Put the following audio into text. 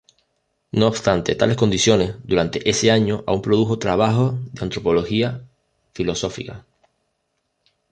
No obstante tales condiciones, durante ese año aún produjo trabajos de antropología filosófica.